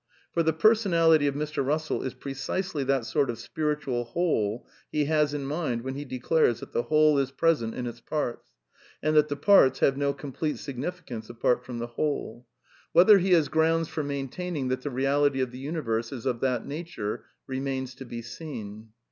For the personality of Mr. Bussell is precisely that sort of I spiritual whole he has in mind when he declares that the I Whole is present in its parts, and that the parts have no I complete significance apart from the whola Whether he THE NEW KEALISM 196 has grounds for maintaining that the Eeality of the uni verse is of that nature remains to be seen.